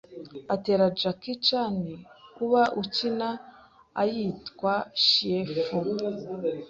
atera Jackie Chan uba akina ayitwa Chien Fu